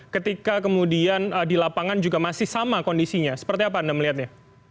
ketika kemudian di lapangan juga masih sama kondisinya seperti apa anda melihatnya